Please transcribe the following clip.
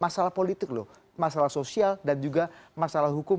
masalah politik loh masalah sosial dan juga masalah hukum